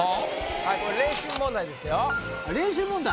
はいこれ練習問題ですよ練習問題？